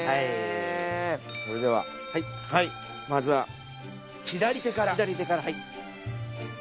それではまずは左手から。